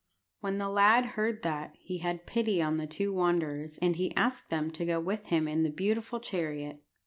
When the lad heard that, he had pity on the two wanderers, and he asked them to go with him in the beautiful chariot.